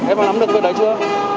em đã nắm được việc đấy chưa